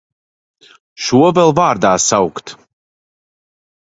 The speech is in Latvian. Šo vēl vārdā saukt!